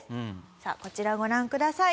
さあこちらご覧ください。